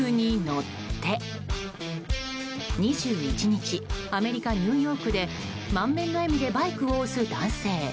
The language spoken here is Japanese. ２１日アメリカ・ニューヨークで満面の笑みでバイクを押す男性。